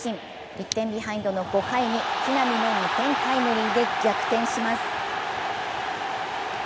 １点ビハインドの５回に木浪の２点タイムリーで逆転します。